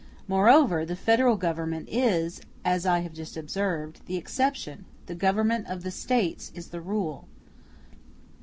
Moreover, the Federal Government is, as I have just observed, the exception; the Government of the States is the rule.